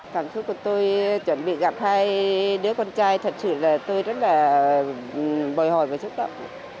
cảm xúc của tôi chuẩn bị gặp hai đứa con trai thật sự là tôi rất là bồi hồi và xúc động